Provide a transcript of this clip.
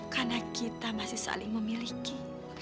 karena kita masih saling memiliki